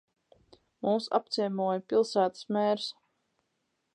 Mūs apciemoja pilsētas mērs